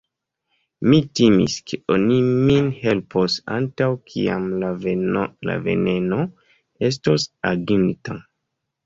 Mi timis, ke oni min helpos, antaŭ kiam la veneno estos aginta.